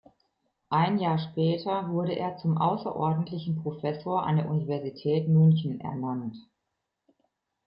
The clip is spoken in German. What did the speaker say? Ein Jahr später wurde er zum außerordentlichen Professor an der Universität München ernannt.